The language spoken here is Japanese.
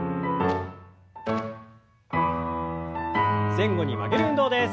前後に曲げる運動です。